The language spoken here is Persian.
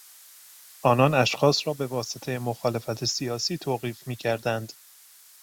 آنان اشخاص را به واسطه مخالفت سیاسی توقیف میکردند.